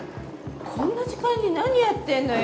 こんな時間に何やってんのよ。